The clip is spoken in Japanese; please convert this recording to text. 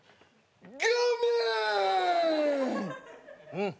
うん。